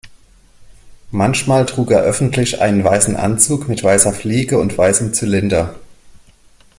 Manchmal trug er öffentlich einen weißen Anzug mit weißer Fliege und weißem Zylinder.